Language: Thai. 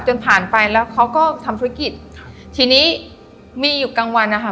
จนผ่านไปแล้วเขาก็ทำธุรกิจครับทีนี้มีอยู่กลางวันนะคะ